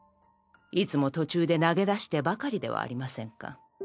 いつも途中で投げ出してばかりではありませんか。